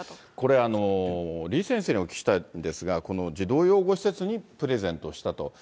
李先生にお聞きしたいんですが、この児童養護施設にプレゼントしたと。